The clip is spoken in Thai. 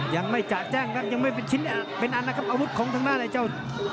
ยังไม่จะแจ้งครับยังไม่เป็นชิ้นเป็นอันนะครับอาวุธของทางด้านไอ้เจ้า